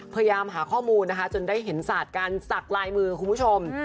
พยายามหาข้อมูลนะคะจนได้เห็นศาสตร์การสักลายมือคุณผู้ชม